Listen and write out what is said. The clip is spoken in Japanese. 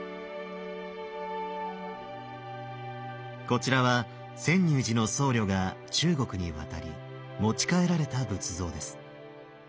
こちらは泉涌寺の僧侶が中国に渡り持ち帰られた仏像です。